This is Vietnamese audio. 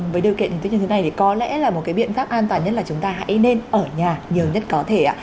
với điều kiện như thế này thì có lẽ là một biện pháp an toàn nhất là chúng ta hãy nên ở nhà nhiều nhất có thể